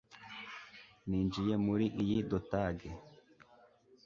Ninjiye muri iyi dotage.